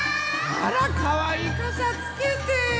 あらかわいいかさつけて！